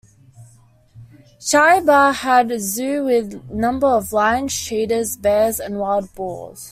Shahi Bagh had zoo with number of lions, cheetahs, bears and wild boars.